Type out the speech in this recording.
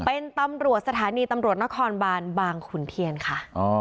เป็นตำรวจสถานีตำรวจนครบานบางขุนเทียนค่ะ